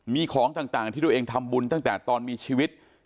มีของต่างที่ตัวเองทำบุญตั้งแต่ตอนมีชีวิต